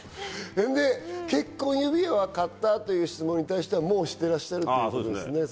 で、結婚指輪を買った？という質問に対しては、もうしてらっしゃるんですね。